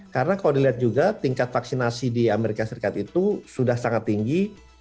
karena kalau dilihat juga tingkat vaksinasi di amerika serikat itu sudah sangat tinggi